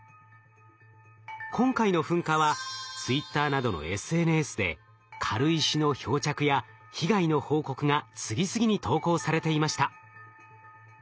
今回の噴火はツイッターなどのＳＮＳで軽石の漂着や被害の報告が次々に投稿されていました。